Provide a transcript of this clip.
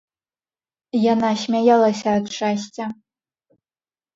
Яна смяялася ад шчасця.